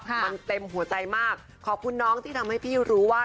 มันเต็มหัวใจมากขอบคุณน้องที่ทำให้พี่รู้ว่า